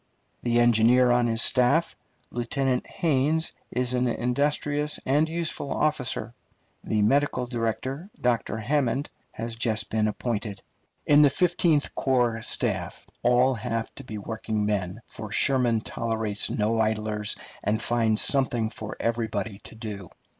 The engineer on his staff, Lieutenant Hains, is an industrious and useful officer. The medical director, Dr. Hammond, had just been appointed. In the Fifteenth Corps staff all have to be working men, for Sherman tolerates no idlers and finds something for everybody to do.